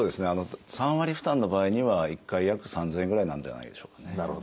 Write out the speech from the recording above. ３割負担の場合には１回約３，０００円ぐらいなんじゃないでしょうかね。